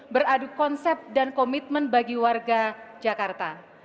beradu konsep dan komitmen bagi warga jakarta